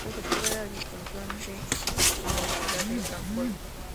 Su objetivo era la difusión de la cultura en la ciudad de Rancagua.